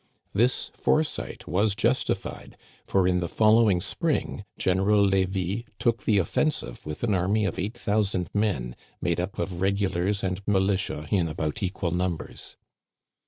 This foresight was justified, for in the fol lowing spring General Levis took the offensive with an army of eight thousand men, made up of regulars and militia in about equal numbers.